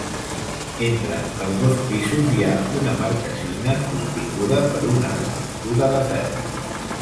Entre els dos pisos hi ha una marquesina, sostinguda per una estructura de ferro.